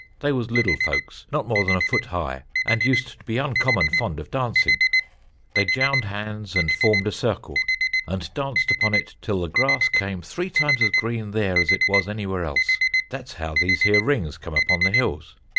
"They was liddle folks not more than a foot high, and used to be uncommon fond of dancing. They jound hands and formed a circle, and danced upon it till the grass came three times as green there as it was anywhere else. That's how these here rings come upon the hills.